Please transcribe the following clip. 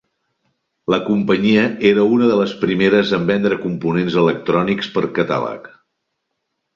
La companyia era una de les primeres en vendre components electrònics per catàleg.